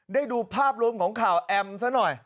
ดูภาพรวมของข่าวแอมซะหน่อย